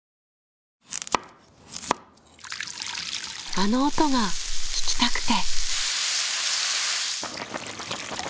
あの音が聞きたくて。